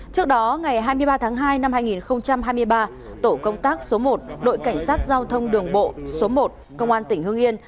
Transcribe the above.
trước đó ngày hai mươi ba tháng hai năm hai nghìn hai mươi ba tổ công tác số một đội cảnh sát giao thông đường bộ số một công an tỉnh hương yên